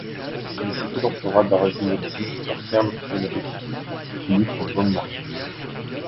Il est cité dans Flora Brasiliensis par Carl Friedrich Philipp von Martius.